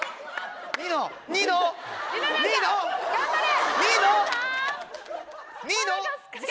頑張れ！